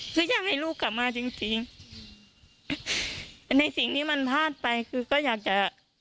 คืออยากให้ลูกกลับมาจริงจริงแต่ในสิ่งที่มันพลาดไปคือก็อยากจะ